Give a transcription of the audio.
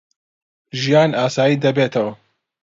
ژیان ئاسایی دەبێتەوە.